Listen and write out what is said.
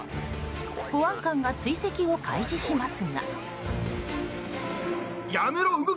保安官が追跡を開始しますが。